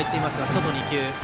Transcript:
外２球。